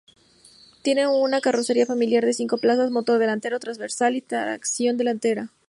Tiene una carrocería familiar de cinco plazas, motor delantero transversal y tracción delantera.